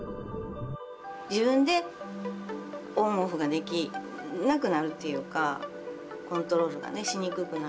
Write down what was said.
自分でオンオフができなくなるっていうかコントロールがねしにくくなる。